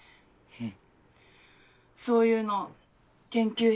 うん。